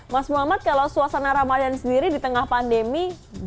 mas muhammad kalau suasana ramadan sendiri di tengah pandemi